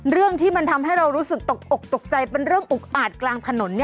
เรื่องที่มันทำให้เรารู้สึกตกอกตกใจเป็นเรื่องอุกอาจกลางถนน